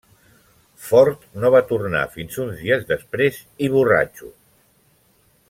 Ford no va tornar fins uns dies després i borratxo.